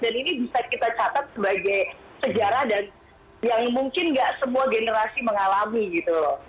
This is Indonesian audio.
dan ini bisa kita catat sebagai sejarah dan yang mungkin nggak semua generasi mengalami gitu loh